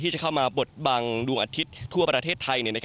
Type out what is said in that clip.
จะเข้ามาบดบังดวงอาทิตย์ทั่วประเทศไทย